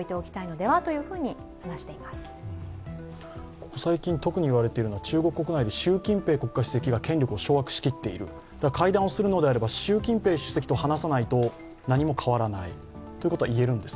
ここ最近、いわれているのが中国国内で習近平国家主席が権力を掌握しきっている、会談をするのであれば、習近平主席と話さなければ何も変わらないと。